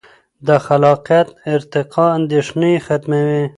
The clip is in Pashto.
د خلاقیت ارتقا اندیښنې ختموي.